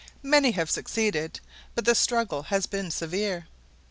Many such have succeeded, but the struggle has been severe.